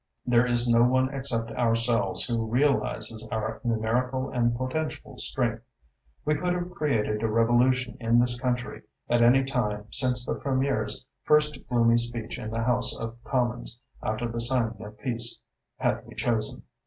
There is no one except ourselves who realises our numerical and potential strength. We could have created a revolution in this country at any time since the Premier's first gloomy speech in the House of Commons after the signing of peace, had we chosen.